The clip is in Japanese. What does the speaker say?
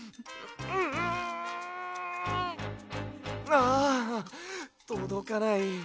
ああとどかない。